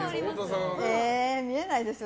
えー、見えないですよ